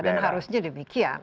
dan harusnya demikian